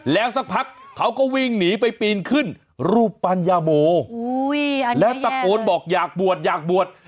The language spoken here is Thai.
แล้วสักพักเขาก็วิ่งหนีไปปีนขึ้นรูปปัญญาโมแล้วตะโกนบอกอยากบวชอยากบวช